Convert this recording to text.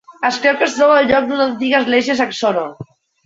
Es creu que es troba al lloc d'una antiga església saxona.